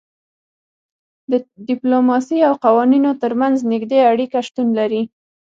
د ډیپلوماسي او قوانینو ترمنځ نږدې اړیکه شتون لري